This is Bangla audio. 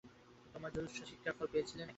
তোমার জুজুৎসু শিক্ষায় ফল পেয়েছিলে কি?